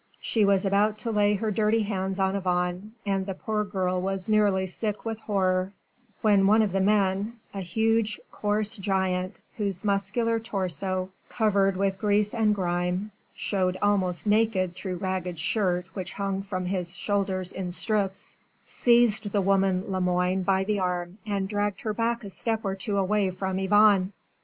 She was about to lay her dirty hands on Yvonne, and the poor girl was nearly sick with horror, when one of the men a huge, coarse giant, whose muscular torso, covered with grease and grime showed almost naked through a ragged shirt which hung from his shoulders in strips seized the woman Lemoine by the arm and dragged her back a step or two away from Yvonne.